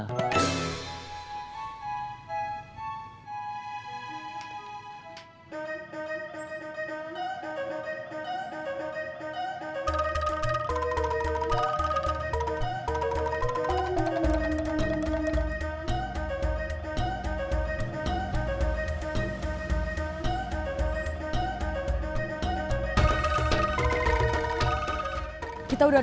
disitu kita keduanya